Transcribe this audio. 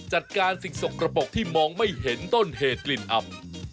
จัดการสิ่งสกระปกที่มองไม่เห็นต้นเหตุกลิ่นอำ